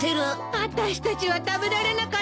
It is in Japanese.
あたしたちは食べられなかったのに！